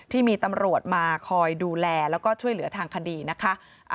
ที่มีตำรวจมาคอยดูแลแล้วก็ช่วยเหลือทางคดีนะคะ